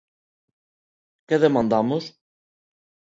¿Que demandamos?